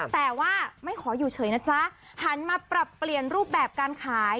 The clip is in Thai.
แต่ว่าไม่ขออยู่เฉยนะจ๊ะหันมาปรับเปลี่ยนรูปแบบการขาย